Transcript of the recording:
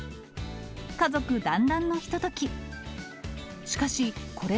家族団らんのひととき。